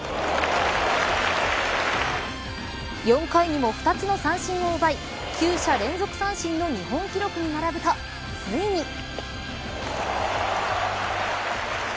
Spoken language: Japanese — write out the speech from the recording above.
４回にも２つの三振を奪い９者連続三振の日本記録に並ぶと、ついに。